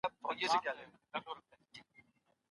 څه معنا چي هر څوک په ژوند کي مهم و ګڼو .